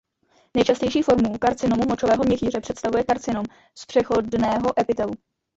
Nejčastější formu karcinomu močového měchýře představuje karcinom z přechodného epitelu.